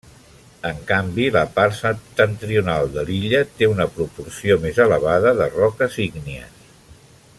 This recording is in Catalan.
En canvi, la part septentrional de l'illa té una proporció més elevada de roques ígnies.